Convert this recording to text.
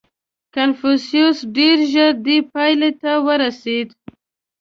• کنفوسیوس ډېر ژر دې پایلې ته ورسېد.